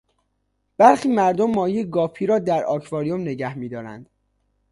برخی مردم ماهی گاپی را در آکواریم نگهمیدارند.